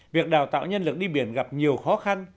việc đào tạo nhân lực đi biển gặp nhiều khó khăn